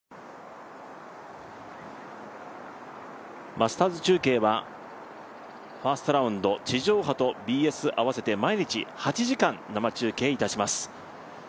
マスターズ中継はファーストラウンド地上波とＢＳ合わせて毎日８時間生中継いたします。